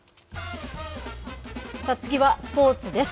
次はスポーツです。